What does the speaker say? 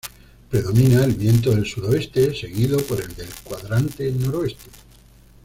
Predomina el viento del sudoeste, seguido por el del cuadrante noroeste.